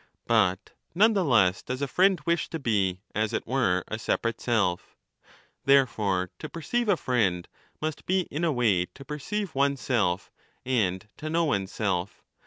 But none the less ^ 35 does a friend wish to be as it were a separate self. There fore to perceive a friend must be in a way to perceive one's self and to know one's self.